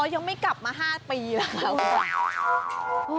ยังไม่กลับมา๕ปีแล้วค่ะ